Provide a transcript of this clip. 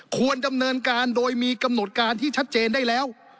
ควรดำเนินการโดยมีกำหนดการที่ชัดเจนได้แล้ว